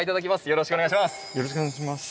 よろしくお願いします。